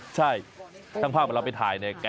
ใช่ตั้งภาพเราไปเท่าประกัน